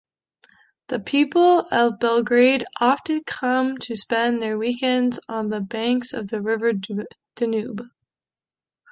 The people of Belgrade often come to spend their weekends on the banks of the river Danube.